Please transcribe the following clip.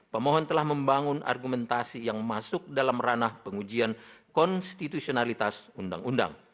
pemohon telah membangun argumentasi yang masuk dalam ranah pengujian konstitusionalitas undang undang